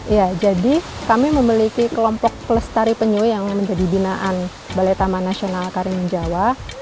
ya jadi kami memiliki kelompok pelestari penyu yang menjadi binaan balai taman nasional karimun jawa